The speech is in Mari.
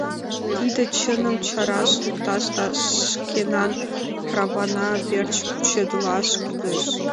— Тиде чыным чараш лукташ да шкенан правана верч кучедалаш кӱлеш.